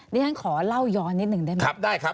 ดิฉันขอเล่าย้อนนิดนึงได้ไหมครับได้ครับ